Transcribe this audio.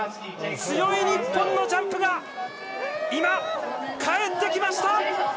強い日本のジャンプが今帰ってきました。